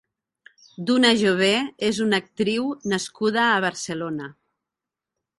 Duna Jové és una actriu nascuda a Barcelona.